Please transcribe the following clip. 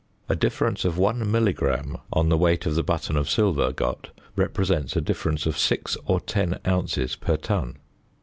A difference of one milligram on the weight of the button of silver got represents a difference of 6 or 10 ounces per ton.